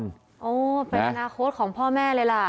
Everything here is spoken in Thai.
เป็นอาณาโค้ชของพ่อแม่เลยล่ะ